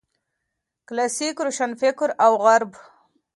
کلاسیک روشنفکر او غرب